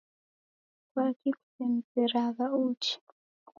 Kwaki kusemzeragha uche